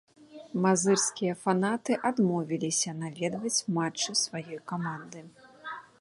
Мазырскія фанаты адмовіліся наведваць матчы сваёй каманды.